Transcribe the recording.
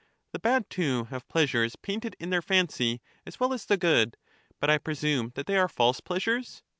The bad, too, have pleasures painted in their fancy the gods, as well as the good; but I presume that they are false {^^^'^^ pleasures.